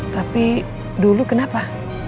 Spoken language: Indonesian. tapi dulu kenapa